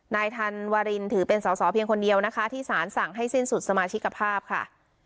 นายธันวารินถือเป็นสอสอเพียงคนเดียวนะคะที่สารสั่งให้สิ้นสุดสมาชิกภาพค่ะ